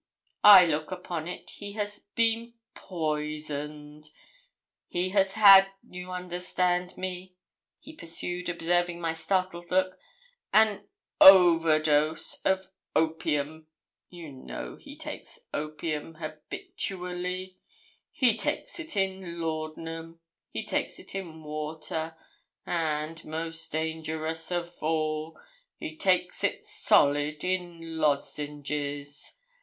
I look upon it he has been poisoned he has had, you understand me,' he pursued, observing my startled look, 'an overdose of opium; you know he takes opium habitually; he takes it in laudanum, he takes it in water, and, most dangerous of all, he takes it solid, in lozenges.